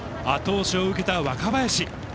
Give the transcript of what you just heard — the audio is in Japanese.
後押しを受けた若林。